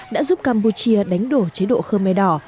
đã giúp campuchia đánh đổ chế độ khơ mê đỏ